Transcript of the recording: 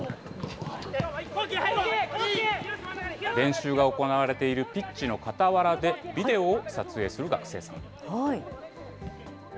練習が行われているピッチの傍らで、ビデオを撮影する学生さん。